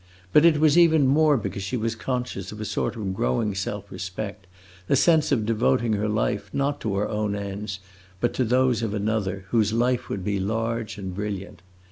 But it was even more because she was conscious of a sort of growing self respect, a sense of devoting her life not to her own ends, but to those of another, whose life would be large and brilliant.